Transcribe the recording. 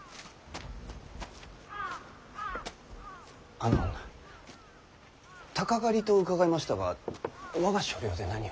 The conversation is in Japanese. あの鷹狩りと伺いましたが我が所領で何を？